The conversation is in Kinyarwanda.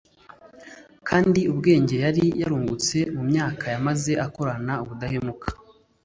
kandi ubwenge yari yarungutse mu myaka yamaze akorana ubudahemuka